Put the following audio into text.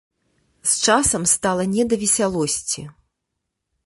З часам стала не да весялосці.